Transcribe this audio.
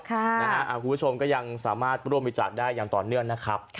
คุณผู้ชมก็ยังสามารถร่วมบริจาคได้อย่างต่อเนื่องนะครับ